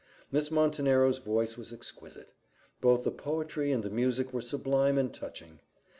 Miss Montenero's voice was exquisite: both the poetry and the music were sublime and touching.